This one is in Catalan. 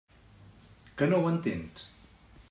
Que no ho entens?